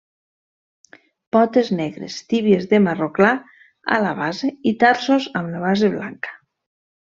Potes negres, tíbies de marró clar a la base i tarsos amb la base blanca.